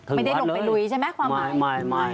ไม่ได้ลงไปลุยใช่ไหมความหมาย